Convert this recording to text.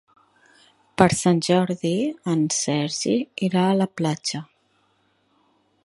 Per Sant Jordi en Sergi irà a la platja.